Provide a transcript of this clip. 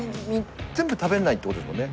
全部食べないってことですもんね。